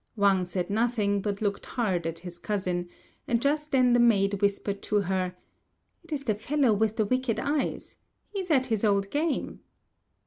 Wang said nothing, but looked hard at his cousin; and just then the maid whispered to her, "It is the fellow with the wicked eyes! He's at his old game."